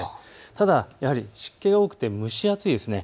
ただやはり湿気が多くて蒸し暑いです。